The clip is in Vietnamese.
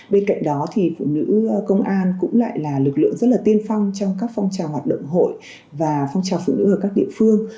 bên cạnh đó thì phụ nữ công an cũng lại là lực lượng rất là tiên phong trong các phong trào hoạt động hội và phong trào phụ nữ ở các địa phương